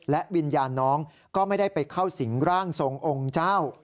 และวิญญาณน้องก็ไม่ได้ไปเข้าสิงร่างทรงองค์เจ้า